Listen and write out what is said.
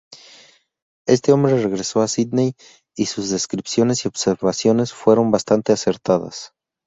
Este hombre regresó a Sídney y sus descripciones y observaciones fueron bastante acertadas.